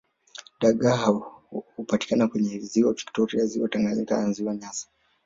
Dagaa hupatikana kwenye ziwa victoria ziwa Tanganyika na ziwa nyasa